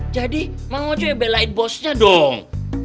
jadi mang hojo yang belain bosnya dong